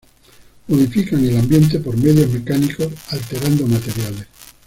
Modifican el ambiente por medios mecánicos alterando materiales.